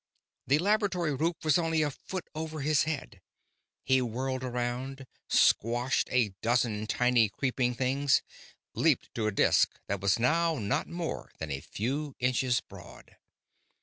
The laboratory roof was only a foot over his head. He whirled around, squashed a dozen tiny creeping things, leaped to a disk that was now not more than a few inches broad.